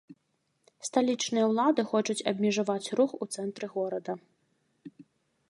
Сталічныя ўлады хочуць абмежаваць рух у цэнтры горада.